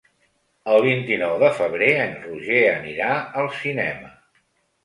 El vint-i-nou de febrer en Roger anirà al cinema.